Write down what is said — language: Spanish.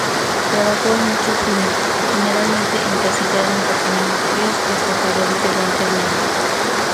Trabajó en muchos filmes, generalmente encasillado en personajes fríos o estafadores de guante blanco.